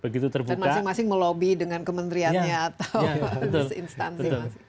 dan masing masing melobi dengan kementeriannya atau instansi